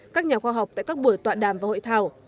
các nhà khoa học tại các buổi tọa đàm và hội thảo